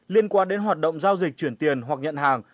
liên quan đến hoạt động giao dịch chuyển tiền hoặc nhận hàng